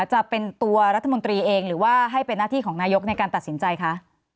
จะเป็นตัวรัฐมนตรีเองหรือว่าให้เป็นหน้าที่ของนายกในการตัดสินใจคะ